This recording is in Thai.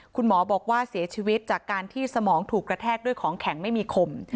คุณหมอบอกว่าเสียชีวิตจากการที่สมองถูกกระแทกด้วยของแข็งไม่มีคม